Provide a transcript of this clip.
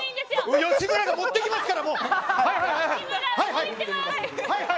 吉村が持ってきますから。